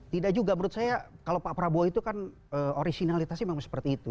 tidak juga menurut saya kalau pak prabowo itu kan originalitasnya memang seperti itu